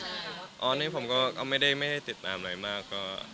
อันนี้ผมก็ไม่ได้ไม่ให้ติดตามอะไรมาก